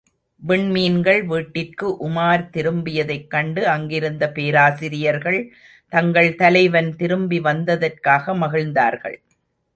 விண்மீன் வீட்டிற்கு உமார் திரும்பியதைக் கண்டு, அங்கிருந்த பேராசிரியர்கள் தங்கள் தலைவன் திரும்பிவந்ததற்காக மகிழ்ந்தார்கள்.